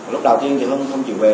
lúc đầu tiên thì anh hưng không chịu về